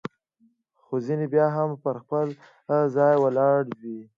خو ځیني بیا هم پر خپل ځای ولاړ وي.